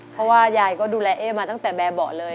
เพราะว่ายายก็ดูแลเอ๊มาตั้งแต่แบบเบาะเลย